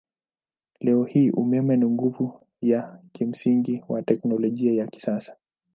Leo hii umeme ni nguvu ya kimsingi wa teknolojia ya kisasa.